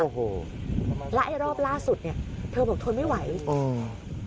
โอ้โหไล่รอบล่าสุดเนี้ยเธอบอกทนไม่ไหวเออ